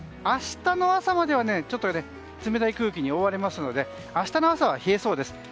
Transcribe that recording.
明日の朝まではちょっと冷たい空気に覆われますので明日の朝は冷えそうです。